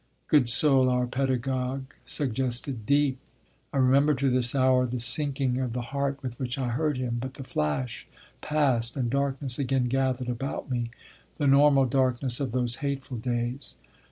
Good soul, our pedagogue suggested deep! I remember to this hour the sinking of the heart with which I heard him. But the flash passed and darkness again gathered about me, the normal darkness of those hateful days.